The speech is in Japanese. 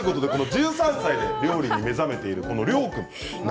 １３歳で料理に目覚めている涼君